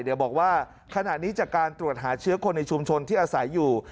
เดี๋ยวบอกว่าขณะนี้จากการตรวจหาเชื้อคนในชุมชนที่อาศัยอยู่